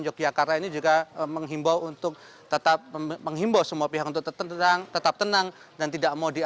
yogyakarta ini juga menghimbau untuk tetap menghimbau semua pihak untuk tetap tenang dan tidak mau di